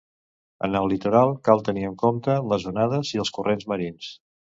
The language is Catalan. En el litoral cal tenir en compte les onades i els corrents marins.